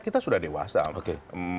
kita sudah dewasa oke